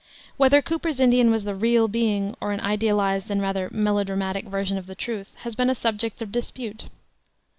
Whether Cooper's Indian was the real being, or an idealized and rather melo dramatic version of the truth, has been a subject of dispute.